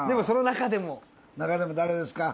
中でも誰ですか？